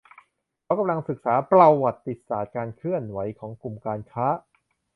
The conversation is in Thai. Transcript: เขากำลังศึกษาประวัติศาสตร์การเคลื่อนไหวของกลุ่มการค้า